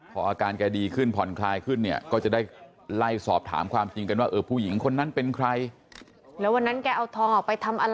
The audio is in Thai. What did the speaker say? พออาการแกดีขึ้นผ่อนคลายขึ้นเนี่ยก็จะได้ไล่สอบถามความจริงกันว่าเออผู้หญิงคนนั้นเป็นใคร